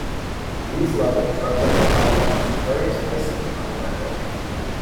These levels are linked by locks at various places on the network.